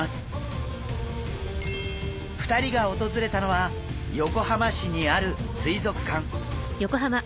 ２人が訪れたのは横浜市にある水族館。